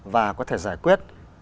và có thể giải quyết